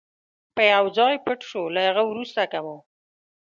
به یو ځای پټ شو، له هغه وروسته که مو.